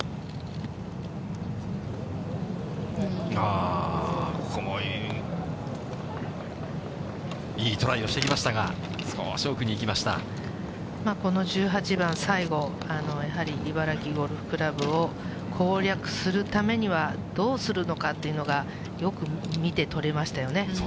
あー、ここもいいトライをしてきましたが、この１８番最後、やはり茨城ゴルフ倶楽部を攻略するためには、どうするのかというのが、よく見て取れましたよね。